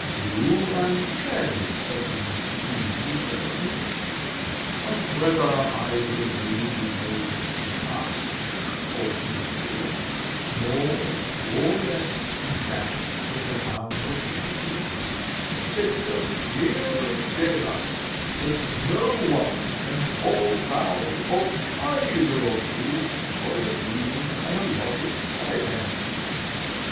You and Chadwick are these two servants, and whether either of you be paid too much, or too little, more or less in fact than the founder willed, it's as clear as daylight that no one can fall foul of either of you for receiving an allotted stipend."